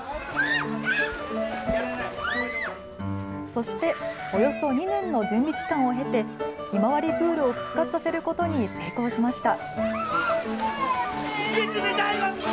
そしておよそ２年の準備期間を経て、ひまわりプールを復活させることに成功しました。